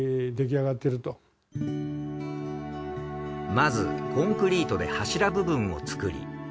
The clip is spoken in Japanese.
まずコンクリートで柱部分を作り